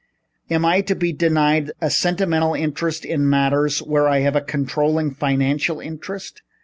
Am I to be denied a sentimental interest in matters where I have a controlling financial interest?